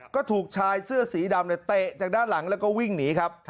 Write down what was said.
ก็ถูกชายเสื้อสีดำเตะจากด้านหลังแล้วก็วิ่งหนีครับ